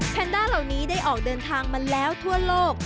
แนนด้าเหล่านี้ได้ออกเดินทางมาแล้วทั่วโลก